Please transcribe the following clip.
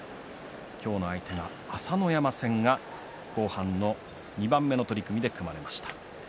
今日の相手が朝乃山戦が後半の２番目の取組に組まれました。